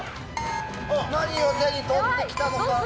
何を手に取ってきたのか。